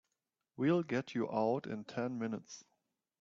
We'll get you out in ten minutes.